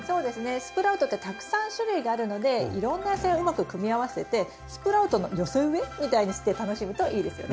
スプラウトってたくさん種類があるのでいろんな野菜をうまく組み合わせてスプラウトの寄せ植えみたいにして楽しむといいですよね。